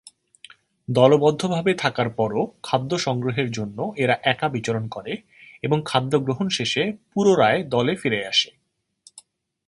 দলবদ্ধ ভাবে থাকার পরও খাদ্য সংগ্রহের জন্য এরা একা বিচরণ করে এবং খাদ্যগ্রহণ শেষে পুররায় দলে ফিরে আসে।